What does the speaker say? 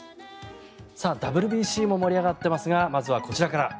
ＷＢＣも盛り上がってますがまずはこちらから。